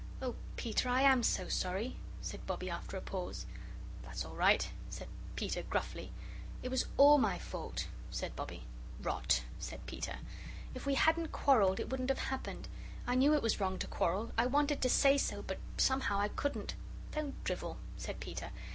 "Oh, Peter, I AM so sorry," said Bobbie, after a pause. "That's all right," said Peter, gruffly. "It was ALL my fault," said Bobbie. "Rot," said Peter. "If we hadn't quarrelled, it wouldn't have happened. I knew it was wrong to quarrel. I wanted to say so, but somehow I couldn't." "Don't drivel," said Peter.